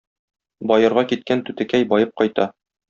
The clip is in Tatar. Баерга киткән түтекәй баеп кайта.